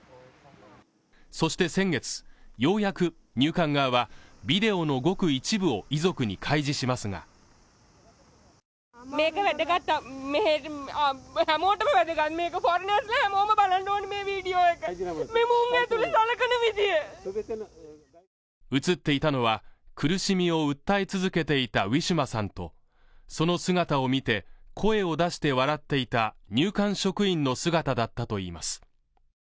そして先月ようやく入管側はビデオのごく一部を遺族に開示しますが映っていたのは苦しみを訴え続けていたウィシュマさんとその姿を見て声を出して笑っていた入管職員の姿だったといいます